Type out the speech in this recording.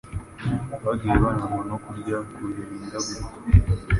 bagiye barangwa no kurya ku bihe bihindagurika.